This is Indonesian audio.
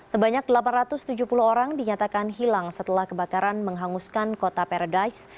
sebanyak delapan ratus tujuh puluh orang dinyatakan hilang setelah kebakaran menghanguskan kota paradise